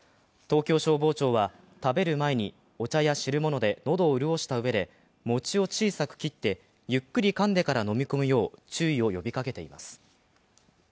東京消防庁は、食べる前にお茶や汁物で喉を潤したうえで餅を小さく切ってゆっくりかんでから飲み込むよう注意を呼びかけています。